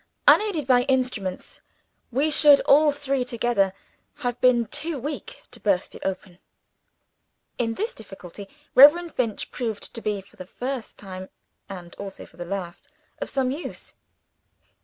Unaided by instruments, we should all three together have been too weak to burst it open. In this difficulty, Reverend Finch proved to be for the first time, and also for the last of some use.